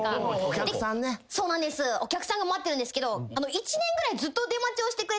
お客さんが待ってるんですけど。